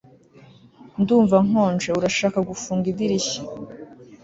Ndumva nkonje Urashaka gufunga idirishya